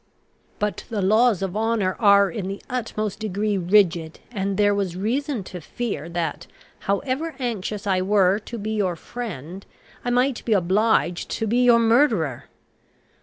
"But the laws of honour are in the utmost degree rigid; and there was reason to fear that, however anxious I were to be your friend, I might be obliged to be your murderer.